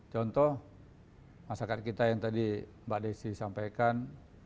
contoh masyarakat kita yang tadi mbak desi sampaikan